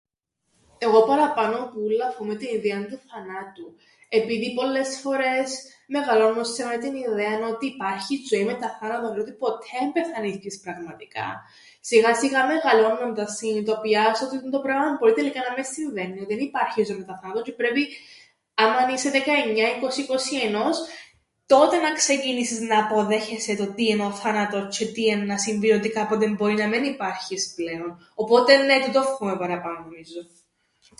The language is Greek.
Εγώ παραπάνω που ούλλα φοούμαι την ιδέαν του θανάτου, επειδή πολλές φορές μεγαλώννουν σε με την ιδέαν ότι υπάρχει ζωή μετά θάνατον τžαι ότι ποττέ εν πεθανίσκεις πραγματικά, σιγά-σιγά μεγαλώνοντας συνειδητοποιάς ότι τούντο πράμαν μπορεί τελικά να μεν συμβαίννει, ότι εν υπάρχει ζωή μετά θάνατον τžαι πρέπει άμαν είσαι δεκαεννιά, είκοσι, 'κοσιενός τότε να ξεκινήσεις να αποδέχεσαι το τι εν' ο θάνατος τžαι τι εννά συμβεί, ότι κάποτε μπορεί να μεν υπάρχεις πλέον, οπότε νναι τούτον φοούμαι παραπάνω νομίζω.